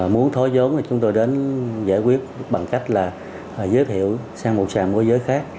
muốn thối giống thì chúng tôi đến giải quyết bằng cách là giới thiệu sang một sàn môi giới khác